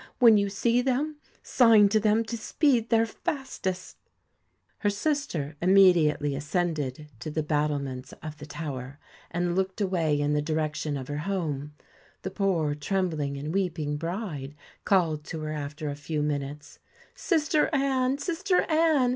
When you see them, sign to them to speed their fastest' Her sister immediately ascended to the battle 164 BLUE ments of the tower, and looked away in the direc BEARD tion of her home. The poor trembling and weeping bride called to her after a few minutes : 'Sister Anne! sister Anne!